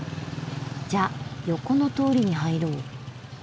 じゃあ横の通りに入ろう。